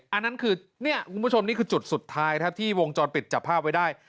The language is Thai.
อันนั้นคือเนี่ยคุณผู้ชมนี่คือจุดสุดท้ายครับที่วงจรปิดจับภาพไว้ได้